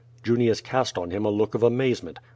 Junius cast on him a look of amazement.